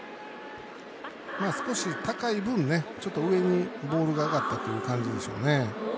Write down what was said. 少し高い分、ちょっと上にボールが上がったという感じでしょうね。